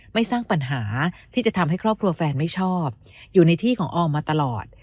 สร้างปัญหาที่จะทำให้ครอบครัวแฟนไม่ชอบอยู่ในที่ของออมมาตลอด